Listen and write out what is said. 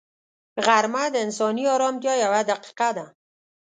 غرمه د انساني ارامتیا یوه دقیقه ده